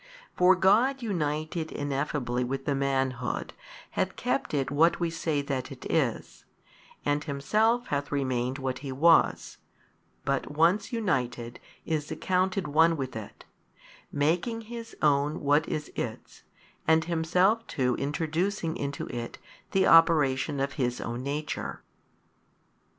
For God united ineffably with the manhood, hath kept it what we say that it is, and Himself hath remained what He was; but once united, is accounted one with it, making His own what is its, and Himself too introducing into it the operation of His own Nature.